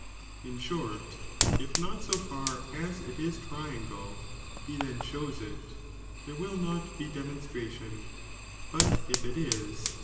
Inshort, if not so far as it is triangle, he then shows it, ihero will , snppisr in °'"'^ demonstration, but if it is